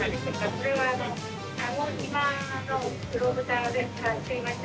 これは鹿児島の黒豚で作りました